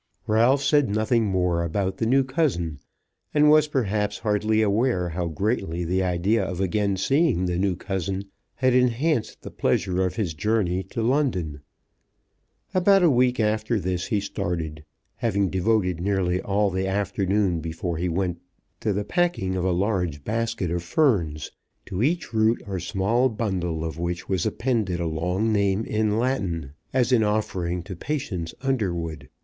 Ralph said nothing more about the new cousin; and was perhaps hardly aware how greatly the idea of again seeing the new cousin had enhanced the pleasure of his journey to London. About a week after this he started, having devoted nearly all the afternoon before he went to the packing of a large basket of ferns, to each root or small bundle of which was appended a long name in Latin, as an offering to Patience Underwood.